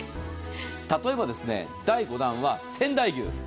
例えば、第５弾は仙台牛。